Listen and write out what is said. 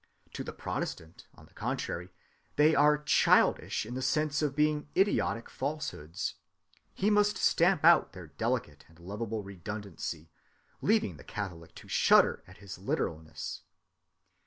To the Protestant, on the contrary, they are childish in the sense of being idiotic falsehoods. He must stamp out their delicate and lovable redundancy, leaving the Catholic to shudder at his literalness.